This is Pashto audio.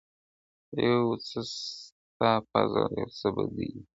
یو څه ستا فضل یو څه به دوی وي!.